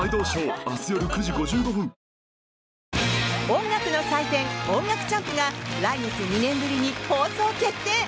音楽の祭典「音楽チャンプ」が来月、２年ぶりに放送決定！